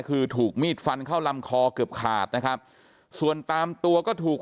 คือถูกมีดฟันเข้าลำคอเกือบขาดนะครับส่วนตามตัวก็ถูก